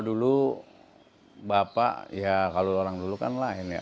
dulu bapak ya kalau orang dulu kan lain ya